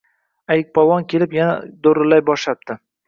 Ayiqpolvon kelib, yana do’rillay boshlabdi: